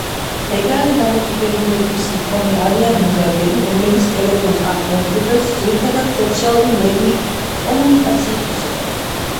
ეკრანზე დამოკიდებულების მქონენი არიან მოზარდები, რომლებიც ტელეფონს ან კომპიუტერს ძირითადად სოციალური მედიით კომუნიკაციისთვის იყენებენ.